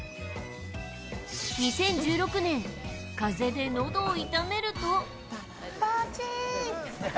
２０１６年、風邪で喉を痛めると。